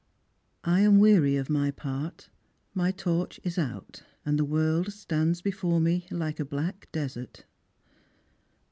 I am weary of my part. . My torch is out, and the world stands before mo Like a black desert."